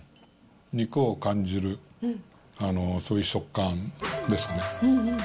肉を感じる、そういう食感ですね。